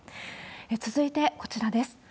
続いて、こちらです。